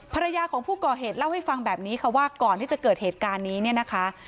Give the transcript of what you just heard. ภรรยาของผู้ก่อเหตุเล่าให้ฟังแบบนี้ค่ะว่าก่อนที่จะเกิดเหตุการณ์นี้เนี่ยนะคะ